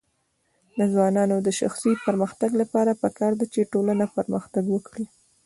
د ځوانانو د شخصي پرمختګ لپاره پکار ده چې ټولنه پرمختګ ورکړي.